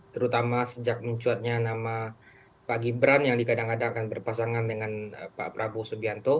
terutama sejak mencuatnya nama pak gibran yang dikadang kadang akan berpasangan dengan pak prabowo subianto